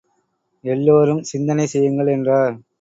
எல்லாரும் சிந்தனை செய்யுங்கள் என்றார்.